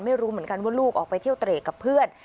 ไม่รู้เหมือนกันว่าลูกออกไปเที่ยวเตรกกับเพื่อน